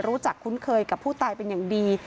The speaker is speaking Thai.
คุ้นเคยกับผู้ตายเป็นอย่างดี